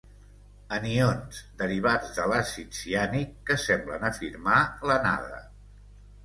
Anions derivats de l'àcid ciànic, que semblen afirmar l'anada.